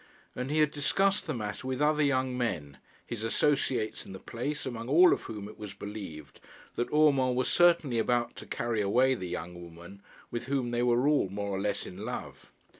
And he had discussed the matter with other young men, his associates in the place, among all of whom it was believed that Urmand was certainly about to carry away the young woman with whom they were all more or less in love.